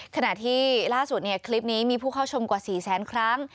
ขณะที่ล่าสุดคลิปนี้มีผู้เข้าชมกว่า๔แสนครั้ง